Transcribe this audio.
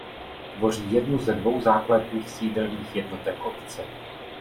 Tvoří jednu ze dvou základních sídelních jednotek obce.